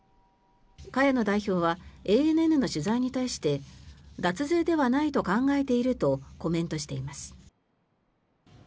茅野代表はＡＮＮの取材に対して脱税ではないと考えているとコメントしています。